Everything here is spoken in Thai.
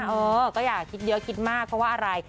เออก็อย่าคิดเยอะคิดมากเพราะว่าอะไร